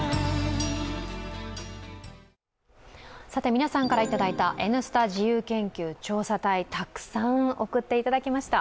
皆さんからいただいたＮスタ自由研究調査隊、たくさん送っていただきました。